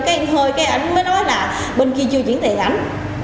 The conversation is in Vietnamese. cái hơi cái ảnh mới nói là bên kia chưa chuyển tiền ảnh